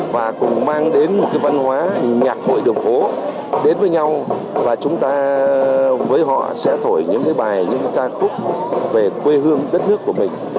đến một cái văn hóa nhạc hội đường phố đến với nhau và chúng ta với họ sẽ thổi những cái bài những cái ca khúc về quê hương đất nước của mình